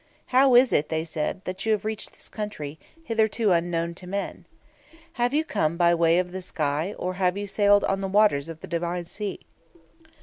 "How is it," they said, "that you have reached this country, hitherto unknown to men? Have you come by way of the sky, or have you sailed on the waters of the Divine Sea?"